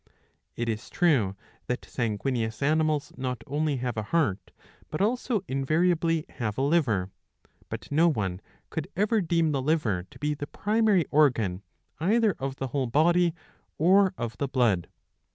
It is true that sanguineous animals not only have a heart but also invariably have a liver. But no one could ever deem the liver to be the primary organ either of the whole body or of the blood.'''